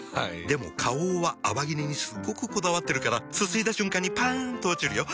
でも花王は泡切れにすっごくこだわってるからすすいだ瞬間にパン！と落ちるよ。